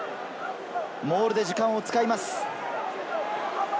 モールで時間を使います。